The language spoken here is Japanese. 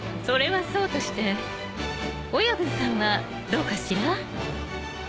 それはそうとして親分さんはどうかしら？